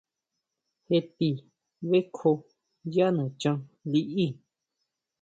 Jé ti bʼekjoo yá nachán liʼí.